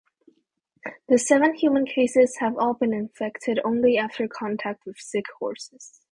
The seven human cases have all been infected only after contact with sick horses.